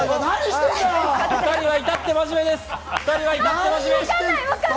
２人はいたって真面目です。